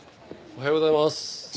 おはようございます。